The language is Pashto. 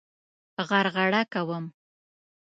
غرغړه کوم.